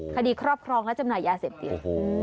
คดีครอบครองและจำหน่ายยาเสพเดียวโอ้โห